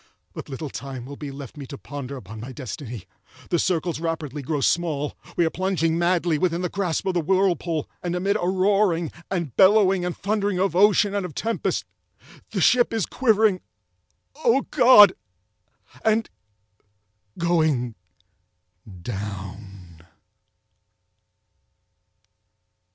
But little time will be left me to ponder upon my destiny! The circles rapidly grow small—we are plunging madly within the grasp of the whirlpool—and amid a roaring, and bellowing, and thundering of ocean and of tempest, the ship is quivering—oh God! and—going down.